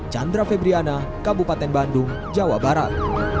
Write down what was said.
chandra febriana kabupaten bandung jawa barat